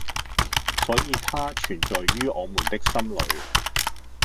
所以它存在於我們的心裏！